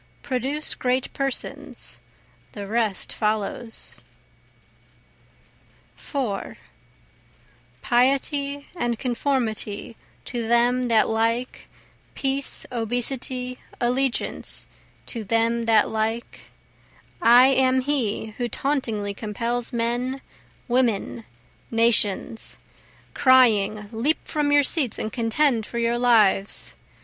Produce great Persons, the rest follows. 4 Piety and conformity to them that like, Peace, obesity, allegiance, to them that like, I am he who tauntingly compels men, women, nations, Crying, Leap from your seats and contend for your lives!